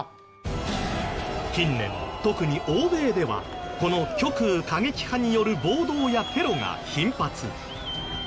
近年特に欧米ではこの極右過激派による暴動やテロが頻発。